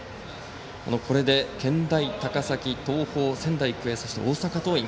これで健大高崎、東邦仙台育英、そして大阪桐蔭。